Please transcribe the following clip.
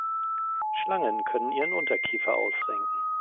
Schlangen können ihren Unterkiefer ausrenken.